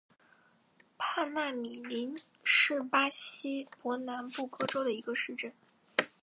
帕纳米林是巴西伯南布哥州的一个市镇。